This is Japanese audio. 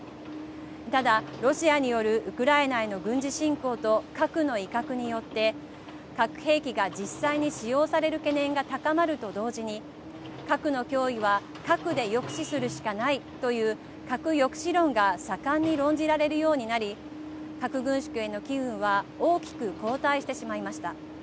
ただ、ロシアによるウクライナへの軍事侵攻と核の威嚇によって核兵器が実際に使用される懸念が高まると同時に核の脅威は核で抑止するしかないという核抑止論が盛んに論じられるようになり核軍縮への機運は大きく後退してしまいました。